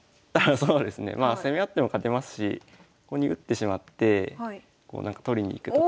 そうですねまあ攻め合っても勝てますしここに打ってしまって取りに行くとか。